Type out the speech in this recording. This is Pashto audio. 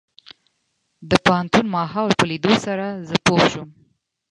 د پوهنتون ماحول په ليدلو سره زه پوه شوم.